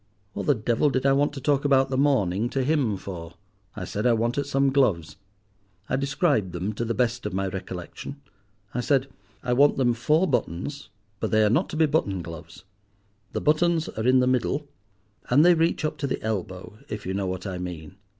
What the devil did I want to talk about the morning to him for? I said I wanted some gloves. I described them to the best of my recollection. I said, 'I want them four buttons, but they are not to be button gloves; the buttons are in the middle and they reach up to the elbow, if you know what I mean.